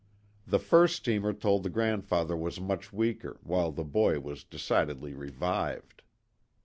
The first steamer told the grandfather was much weaker, while the boy was decidedly revived.